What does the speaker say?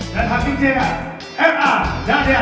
dan hakim c m a dadya